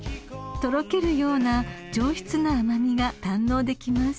［とろけるような上質な甘味が堪能できます］